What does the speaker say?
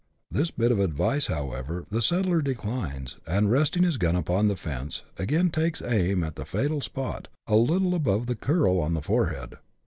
This bit of advice, however, the settler declines, and resting his gun upon the fence, again takes aim at the fatal spot, a little above the curl on the forehead.